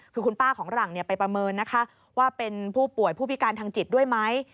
คือคุณป้าของหลังไปประเมินนะคะว่าเป็นผู้ป่วยผู้พิการทางจิตด้วยไหม